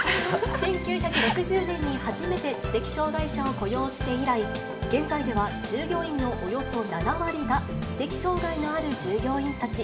１９６０年に初めて知的障がい者を雇用して以来、現在では従業員のおよそ７割が知的障がいのある従業員たち。